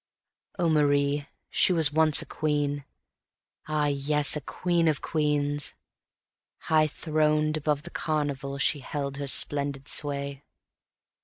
Oh Marie, she was once a queen ah yes, a queen of queens. High throned above the Carnival she held her splendid sway.